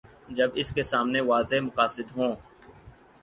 جب اس کے سامنے واضح مقاصد ہوں۔